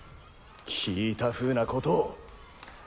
きいたふうなことを。